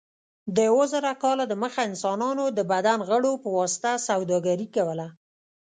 د اوه زره کاله دمخه انسانانو د بدن غړو په واسطه سوداګري کوله.